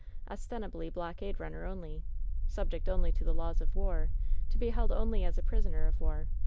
Ostensibly blockade runner only. Subject only to the laws of war — to be held only as a prisoner of war.